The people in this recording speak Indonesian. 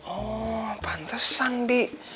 oh pantesan bi